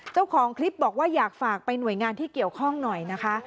เจ้าของคลิปบอกว่าอยากฝากไปหน่วยงานที่เกี่ยวข้องหน่อยนะคะ